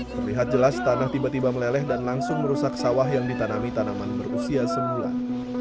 terlihat jelas tanah tiba tiba meleleh dan langsung merusak sawah yang ditanami tanaman berusia sebulan